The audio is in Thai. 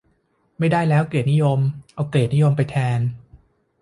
ไม่ได้แล้วเกียรตินิยม เอาเกรดนิยมไปแทน